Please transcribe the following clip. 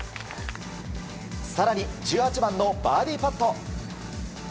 更に１８番のバーディーパット。